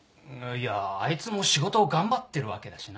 いやあいつも仕事を頑張ってるわけだしな。